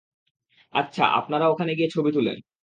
আচ্ছা আপনারা, ওখানে গিয়ে, ছবি তুলেন।